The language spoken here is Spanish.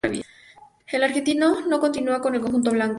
El argentino no continúa con el conjunto blanco.